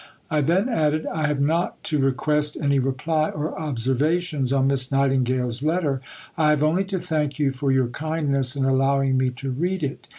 I then added, "I have not to request any reply or observations on Miss Nightingale's letter. I have only to thank you for your kindness in allowing me to read it."